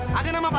fadil kamu salah